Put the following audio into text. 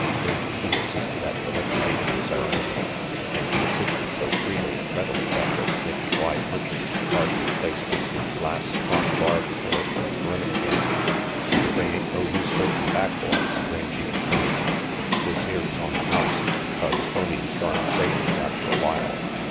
Rangy Pete assisted at the liquidating ceremony, and he assisted so freely and readily that the Snaky Y punchers could hardly place an emptied glass upon the bar before it was brimming again. RANGY PETE 53 "They ain't no use holdin' back, boys," Rangy encouraged. "This here is on the house, 'cause Tony's gonna say it is after a while.